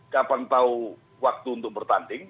kapan tahu waktu untuk bertanding